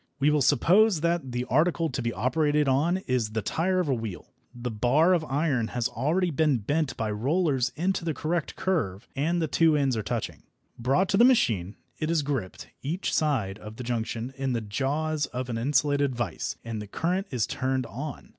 We will suppose that the article to be operated upon is the tyre of a wheel. The bar of iron has already been bent by rollers into the correct curve and the two ends are touching. Brought to the machine, it is gripped, each side of the junction, in the jaws of an insulated vice and the current is turned on.